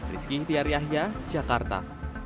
rizky tiar yahya jakarta